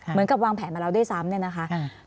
เหมือนกับวางแผนมาแล้วด้วยซ้ำเนี่ยนะคะ